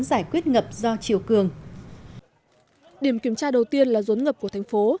giải quyết ngập do chiều cường điểm kiểm tra đầu tiên là rốn ngập của thành phố